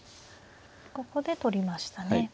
ここで取りましたね。